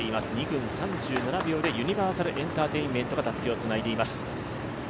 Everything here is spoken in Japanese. ２分３７秒でユニバーサルエンターテインメントがたすきをつないでいます。